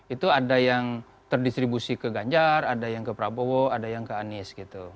itu ada yang terdistribusi ke ganjar ada yang ke prabowo ada yang ke anies gitu